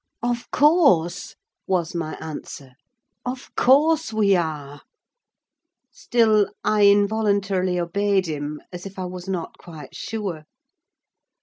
"Of course," was my answer; "of course we are." Still, I involuntarily obeyed him, as if I was not quite sure.